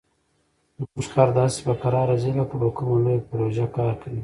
زموږ خر داسې په کراره ځي لکه په کومه لویه پروژه کار کوي.